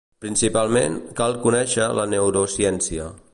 Principalment, cal conèixer la Neurociència.